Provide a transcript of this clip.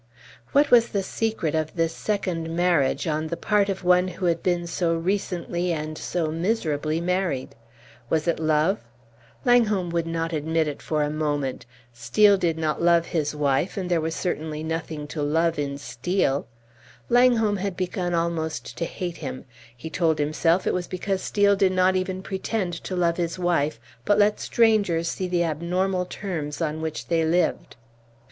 What was the secret of this second marriage on the part of one who had been so recently and so miserably married? Was it love? Langholm would not admit it for a moment. Steel did not love his wife, and there was certainly nothing to love in Steel. Langholm had begun almost to hate him; he told himself it was because Steel did not even pretend to love his wife, but let strangers see the abnormal terms on which they lived.